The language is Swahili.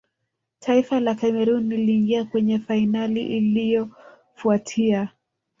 taifa la cameroon liliingia kwenye fainali iliyofuatia